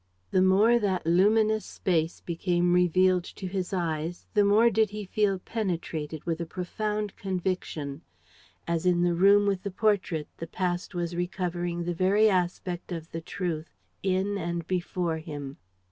The more that luminous space became revealed to his eyes, the more did he feel penetrated with a profound conviction. As in the room with the portrait, the past was recovering the very aspect of the truth in and before him.